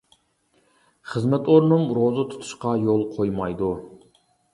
خىزمەت ئورنۇم روزا تۇتۇشقا يول قويمايدۇ.